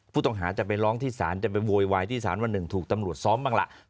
ผู้ต้องหาจะไปร้องที่ศาลจะไปโวยวายที่สารวันหนึ่งถูกตำรวจซ้อมบ้างล่ะ